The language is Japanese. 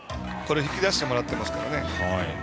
引き出してもらってますから。